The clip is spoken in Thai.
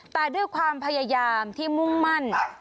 แต่ด้วยความพยายามที่มุ่งมั่น